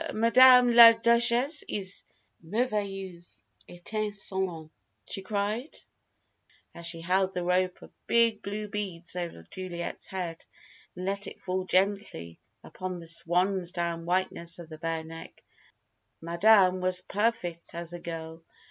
"Madame la Duchesse is merveilleuse etíncilante!" she cried, as she held the rope of big blue beads over Juliet's head, and let it fall gently upon the swans down whiteness of the bare neck. "Madame was perfect as a girl.